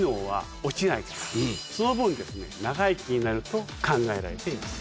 その分長生きになると考えられています。